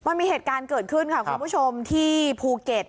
มันมีเหตุการณ์เกิดขึ้นค่ะคุณผู้ชมที่ภูเก็ต